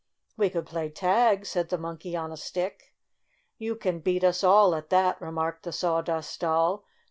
"We could play tag!" said the Monkey on a Stick. "You can beat us all at that," remarked the Sawdust Doll.